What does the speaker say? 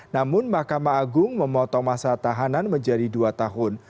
namun mahkamah agung memotong masa tahanan menjadi dua tahun